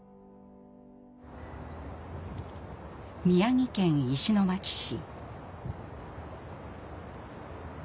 宮城県石巻市。